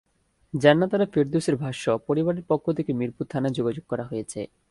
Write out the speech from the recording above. জান্নাত আরা ফেরদৌসের ভাষ্য, পরিবারের পক্ষ থেকে মিরপুর থানায় যোগাযোগ করা হয়েছে।